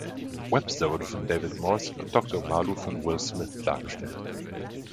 Webster wurde von David Morse und Doktor Omalu von Will Smith dargestellt.